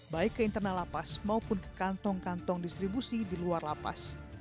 baik ke internal lapas maupun ke kantong kantong distribusi di luar lapas